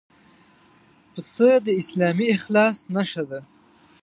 پسه د اسلامي اخلاص نښه ده.